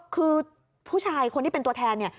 คือผู้ชายคนที่เป็นตัวแทนเนี่ย